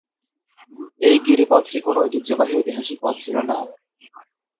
এই গিরিপথটি কোন ঐতিহ্যবাহী ঐতিহাসিক পথ ছিল না।